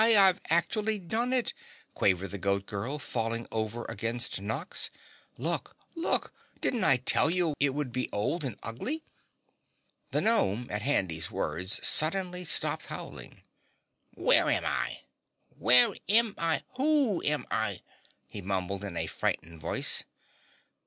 I've actually done it!" quavered the Goat Girl, falling over against Nox. "Look! Look! Didn't I tell you it would be old and ugly?" The gnome, at Handy's words suddenly stopped howling. "Where am I? Where am I? WHO am I?" he mumbled in a frightened voice.